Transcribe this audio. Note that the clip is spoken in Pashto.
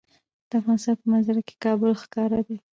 د افغانستان په منظره کې کابل ښکاره ده.